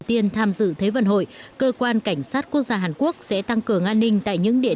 tiên tham dự thế vận hội cơ quan cảnh sát quốc gia hàn quốc sẽ tăng cường an ninh tại những địa